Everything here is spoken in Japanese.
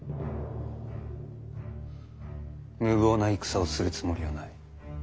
無謀な戦をするつもりはない。